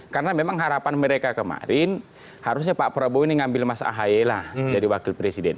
karena memang harapan mereka kemarin harusnya pak prabowo ini ngambil mas ahaye lah jadi wakil presiden